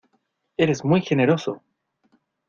¡ eres muy generoso!